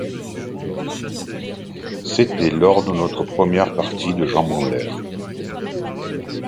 C’était lors de notre première partie de jambes en l’air.